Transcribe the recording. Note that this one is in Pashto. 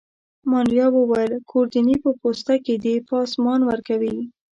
مانیرا وویل: ګوردیني په پوسته کي دی، پاسمان ورکوي.